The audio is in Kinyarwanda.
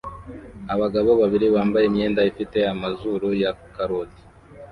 Abagabo babiri bambaye imyenda ifite amazuru ya karoti